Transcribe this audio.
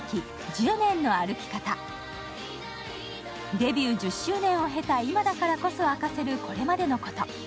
デビュー１０周年を経た今だからこそ明かせる、これまでのこと。